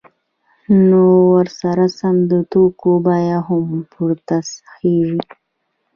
نو ورسره سم د توکو بیه هم پورته خیژي